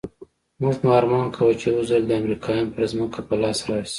موږ نو ارمان کاوه چې يو ځل دې امريکايان پر ځمکه په لاس راسي.